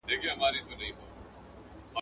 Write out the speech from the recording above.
که مطالعه ونه کړې پوهه دې نه زیاتیږي.